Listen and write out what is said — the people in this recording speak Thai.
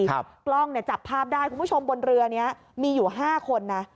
กล้องเนี่ยจับภาพได้คุณผู้ชมบนเรือนี้มีอยู่๕คนนะ